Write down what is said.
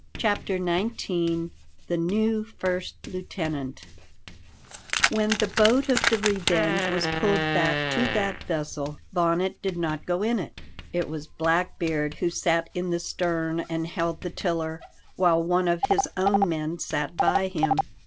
CHAPTER XIX THE NEW FIRST LIEUTENANT When the boat of the Revenge was pulled back to that vessel Bonnet did not go in it; it was Blackbeard who sat in the stern and held the tiller, while one of his own men sat by him.